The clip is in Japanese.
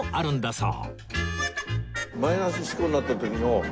そう。